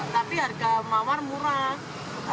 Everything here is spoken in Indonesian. tapi harga mamar murah